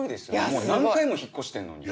もう何回も引っ越してんのに。